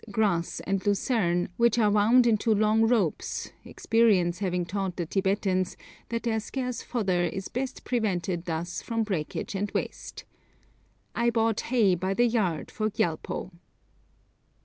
grass and lucerne, which are wound into long ropes, experience having taught the Tibetans that their scarce fodder is best preserved thus from breakage and waste. I bought hay by the yard for Gyalpo.